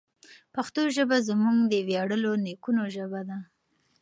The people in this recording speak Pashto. پښتو ژبه زموږ د ویاړلو نیکونو ژبه ده.